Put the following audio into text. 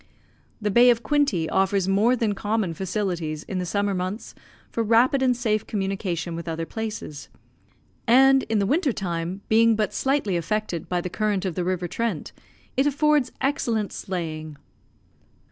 The Bay of Quinte offers more than common facilities in the summer months for rapid and safe communication with other places; and, in the winter time, being but slightly affected by the current of the river Trent, it affords excellent sleighing.